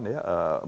oke baik baik